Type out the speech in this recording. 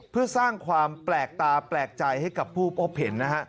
เพื่อสร้างความแปลกตาแปลกใจให้กับผู้พบเห็นนะฮะ